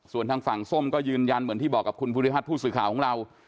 ส่วนทางฝั่งส้มก็ยืนยันเหมือนที่บอกกับคุณภูริพัฒน์ผู้สื่อข่าวของเรา